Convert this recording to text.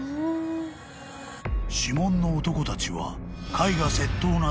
［指紋の男たちは］